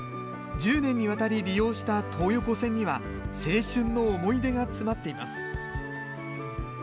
１０年に渡り利用した東横線には青春の思い出が詰まっています。